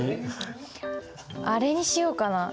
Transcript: あれにしようかな。